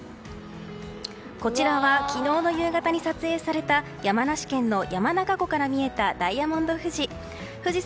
こちらは昨日の夕方に撮影された山梨県の山中湖から見えたダイヤモンド富士。